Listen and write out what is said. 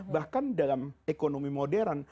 bahkan dalam ekonomi modern